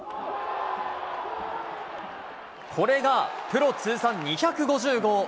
これが、プロ通算２５０号！